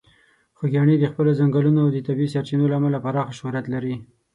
خوږیاڼي د خپلې ځنګلونو او د طبیعي سرچینو له امله پراخه شهرت لري.